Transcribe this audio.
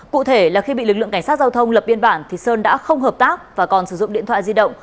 cụ thể là khi bị lực lượng cảnh sát giao thông lập biên bản thì sơn đã không hợp tác và còn sử dụng điện thoại di động